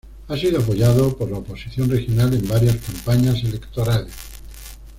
Ha sido apoyado por la oposición regional en varias campañas electorales.